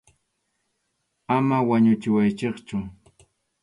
Ama wañuchiwaychikchu.